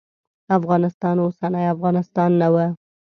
افغانستان اوسنی افغانستان نه و.